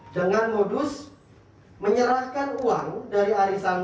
dengan modus menyerahkan uang dari arisan